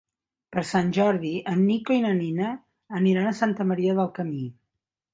Per Sant Jordi en Nico i na Nina aniran a Santa Maria del Camí.